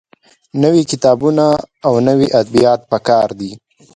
نوي کتابونه او نوي ادبيات پکار دي.